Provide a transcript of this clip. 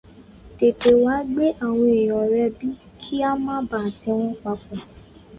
Tètè wá gbé àwọn èèyàn rẹ bí kí a má baà sìn wọ́n papọ̀